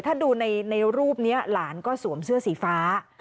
ถ้าดูในรูปนี้หลานก็สวมเสื้อสีฟ้า